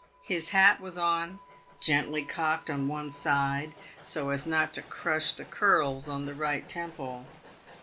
His hat was on — gently cocked on one side, so as not to crush the curls on the right temple.